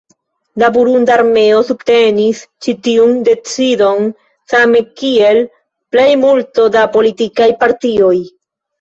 La burunda armeo subtenis ĉi tiun decidon, same kiel plejmulto da politikaj partioj.